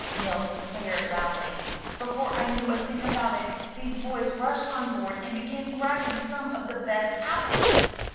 Nils declared loudly: "Before I knew a thing about it, these boys rushed on board and began grabbing some of the best apples."